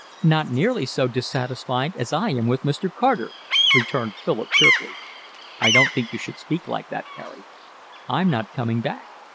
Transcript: "Not nearly so dissatisfied as I am with Mr. Carter," returned Philip cheerfully. "I don't think you should speak like that, Carey." "I'm not coming back.